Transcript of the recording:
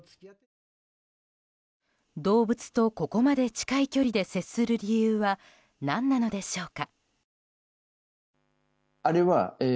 動物とここまで近い距離で接する理由は何なのでしょうか。